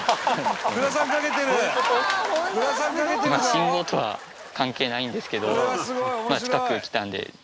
信号とは関係ないんですけどまあ近くに来たんで。